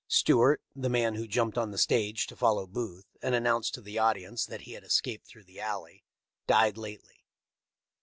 Stewart, the man who jumped on the stage to follow Booth, and announced to the audience that, he had escaped through the alley, died lately.